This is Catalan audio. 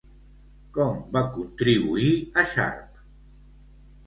Com va contribuir a Sharpe?